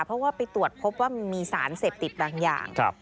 เพราะว่าไปตรวจพบว่ามันมีสารเสพติดบางอย่าง